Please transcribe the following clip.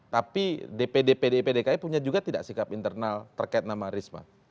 tapi dpd pdip dki punya juga tidak sikap internal terkait nama risma